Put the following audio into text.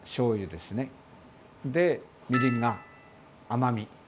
で、みりんが甘み。